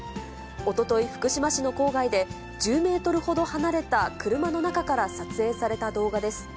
おととい、福島市の郊外で、１０メートルほど離れた車の中から撮影された動画です。